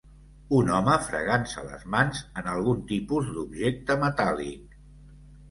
Un home fregant-se les mans en algun tipus d'objecte metàl·lic